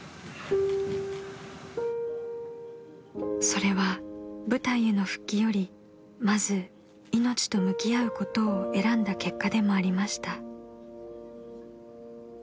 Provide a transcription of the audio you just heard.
［それは舞台への復帰よりまず命と向き合うことを選んだ結果でもありました］